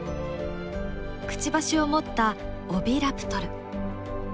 くちばしを持ったオヴィラプトル。